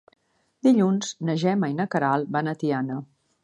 Dilluns na Gemma i na Queralt van a Tiana.